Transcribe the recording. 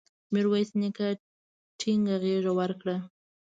میرویس نیکه ټینګه غېږ ورکړه.